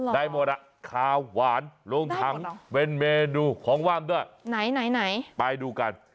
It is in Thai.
ได้หมดอ่ะขาวหวานลงถังเป็นเมนูของว่างด้วยไหนไหนไปดูกัน